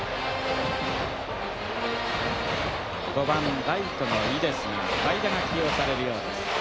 ５番ライトの井ですが代打が起用されるようです。